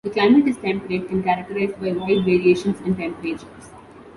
The climate is temperate and characterized by wide variations in temperatures.